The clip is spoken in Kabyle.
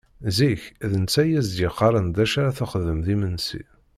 Zik, d netta i d as-d-yeqqaren d acu ara d-texdem d imensi.